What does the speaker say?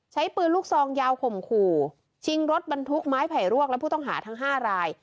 ใช้ปืนลูกซองยาวข่มขู่ชิงรถบรรทุกไม้ไผ่รวกและผู้ต้องหาทั้ง๕ราย